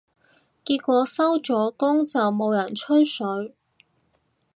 結果收咗工就冇人吹水